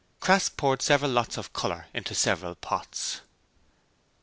Crass poured several lots of colour into several pots.